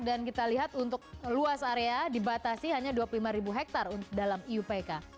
dan kita lihat untuk luas area dibatasi hanya dua puluh lima ribu hektare dalam iupk